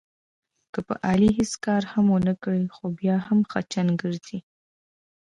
که په علي هېڅ کار هم ونه کړې، خو بیا هم خچن ګرځي.